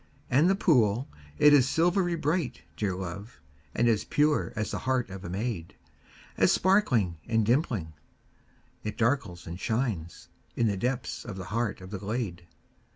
And the pool, it is silvery bright, dear love, And as pure as the heart of a maid, As sparkling and dimpling, it darkles and shines In the depths of the heart of the glade.